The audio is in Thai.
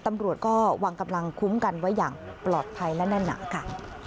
ตำรวจก็วางกำลังคุ้มกันไว้อย่างปลอดภัยและแน่นหนาค่ะ